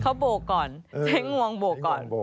เขาโบกก่อนใช้งวงโบกก่อน